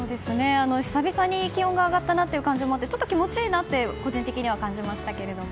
久々に気温が上がった感じもあってちょっと気持ちがいいなって個人的には感じましたけど。